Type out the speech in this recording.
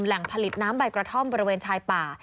แหล่งผลิตน้ำใบกระท่อมบริเวณชายป่า